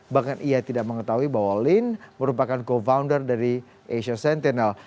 bahkan ia tidak mengetahui bahwa lin merupakan co founder dari asia sentinel